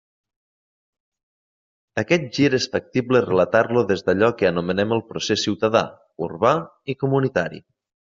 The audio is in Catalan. Aquest gir és factible relatar-lo des d'allò que anomenem el procés ciutadà, urbà i comunitari.